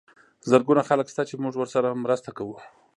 زرګونه خلک شته چې موږ ورسره مرسته کوو.